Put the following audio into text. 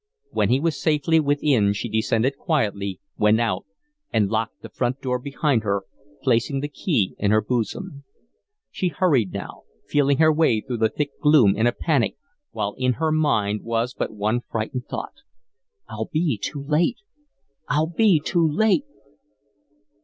When he was safely within she descended quietly, went out, and locked the front door behind her, placing the key in her bosom. She hurried now, feeling her way through the thick gloom in a panic, while in her mind was but one frightened thought: "I'll be too late. I'll be too late."